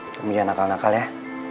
kamu jangan nakal nakal ya